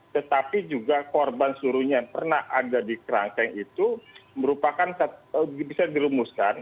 tetapi juga korban suruhnya yang pernah ada di kerangkeng itu merupakan bisa dirumuskan